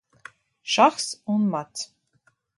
Šahs un mats